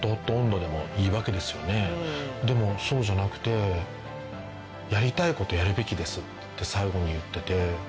でもそうじゃなくて「やりたいことやるべきです」って最後に言ってて。